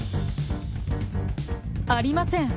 ありません！